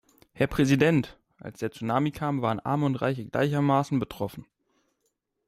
Herr Präsident! Als der Tsunami kam, waren Arme und Reiche gleichermaßen betroffen.